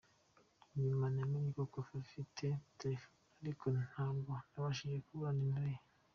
Nyuma namenye ko afite indi telefone, ariko ntabwo nabashije kubona nimero ye.